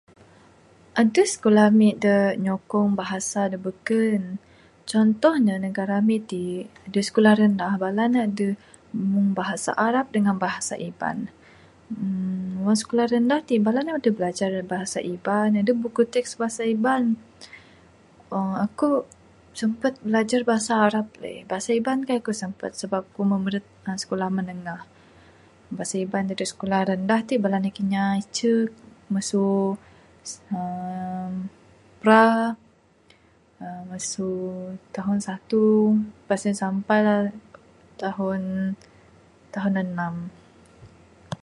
Adeh sikulah ami de nyokong bahasa da beken. Contoh ne negara ami ti, da sikulah rendah meng adeh bahasa arab ngan bahasa iban. uhh wang sikulah rendah ti bala ne adeh bilajar bahasa iban. Adeh buku teks bahasa iban. uhh aku sempat bilajar bahasa arab seh. Bahasa iban kaik ku sampat sebab meret sikulah menengah. Bahasa iban dadeg sikulah rendah ti dadeg anak inya icek masu uhh pra uhh masu tahun satu pas en sampai la tahun, tahun enam